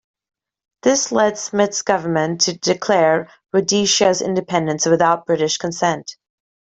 This led Smith's government to declare Rhodesia's independence without British consent.